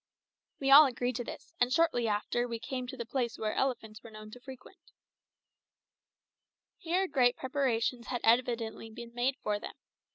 We all agreed to this, and shortly after we came to the place which elephants were known to frequent. Here great preparations had evidently been made for them.